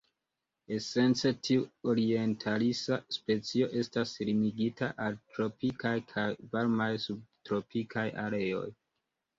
Esence tiu orientalisa specio estas limigita al tropikaj kaj varmaj subtropikaj areoj.